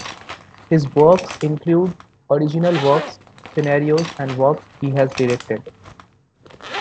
His works include original works, scenarios and works he has directed.